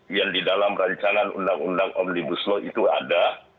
yang di dalam rancangan undang undang omnibus law itu ada